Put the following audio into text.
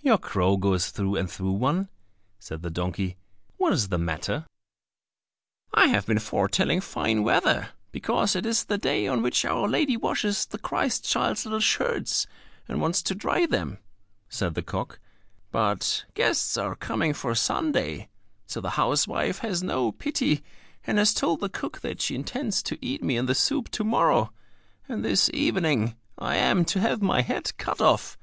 "Your crow goes through and through one," said the donkey. "What is the matter?" "I have been foretelling fine weather, because it is the day on which Our Lady washes the Christ child's little shirts, and wants to dry them," said the cock; "but guests are coming for Sunday, so the housewife has no pity, and has told the cook that she intends to eat me in the soup to morrow, and this evening I am to have my head cut off.